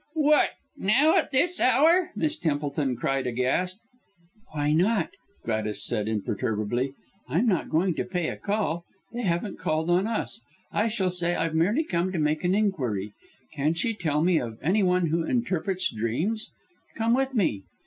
"What, now! At this hour!" Miss Templeton cried aghast. "Why not?" Gladys said imperturbably. "I'm not going to pay a call. They haven't called on us. I shall say I've merely come to make an inquiry. Can she tell me of any one who interprets dreams? Come with me!"